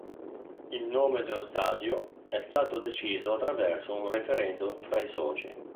Il nome dello stadio è stato deciso attraverso un referendum fra i soci.